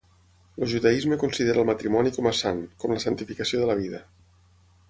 El judaisme considera el matrimoni com a sant, com la santificació de la vida.